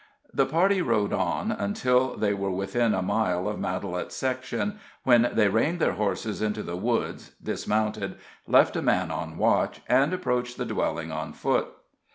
The party rode on until they were within a mile of Matalette's section, when they reined their horses into the woods, dismounted, left a man on watch, and approached the dwelling on foot.